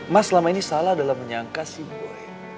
mas selama ini salah dalam menyangka si gue